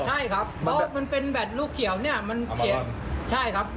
ใช่ครับมันเป็นแบตลูกเขียวเนี้ยมันเขียนใช่ครับ